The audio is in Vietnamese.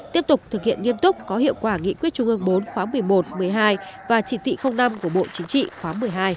tiếp tục thực hiện nghiêm túc có hiệu quả nghị quyết trung ương bốn khóa một mươi một một mươi hai và chỉ thị năm của bộ chính trị khóa một mươi hai